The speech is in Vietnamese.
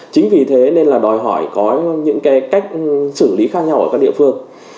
chính vì thế nên là đòi hỏi có những cái cách xử lý khác nhau ở các địa phương